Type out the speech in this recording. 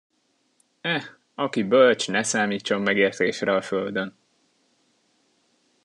Eh, aki bölcs, ne számítson megértésre a földön!